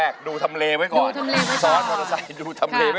ร้องเข้าให้เร็ว